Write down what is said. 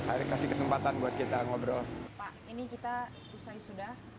i have a direct karena tepstando kita ngobrol ini kita saya sudah